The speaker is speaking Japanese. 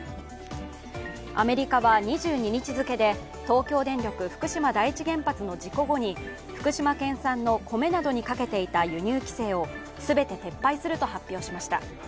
アメリカは２２日付で東京電力福島第一原発の事故後に福島県産の米などにかけていた輸入規制を全て撤廃すると発表しました。